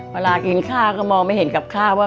เวลากินข้าวก็มองไม่เห็นกับข้าวว่า